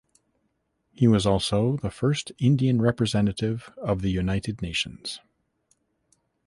He was also the first Indian representative of the United Nations.